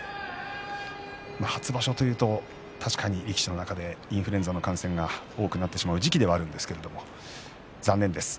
初場所というと確かに力士の中でインフルエンザの感染が多くなってしまう時期ではありますけれども残念です。